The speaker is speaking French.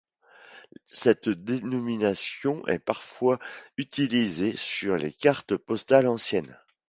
Cette dénomination est parfois utilisée sur les cartes postales anciennes.